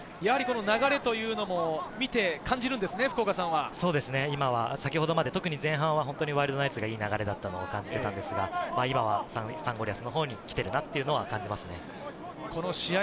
流れというのも見て感じ先ほどまで特に前半はワイルドナイツがいい流れだったのを感じていたんですが、今はサンゴリアスのほうに来ているなと感じますね。